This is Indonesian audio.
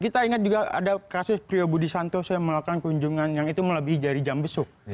kita ingat juga ada kasus prio budi santoso yang melakukan kunjungan yang itu melebihi dari jam besuk